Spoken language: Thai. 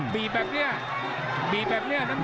บีแบบนี้น้ำเงินเหนื่อยเหมือนกัน